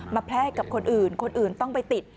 แพร่กับคนอื่นคนอื่นต้องไปติด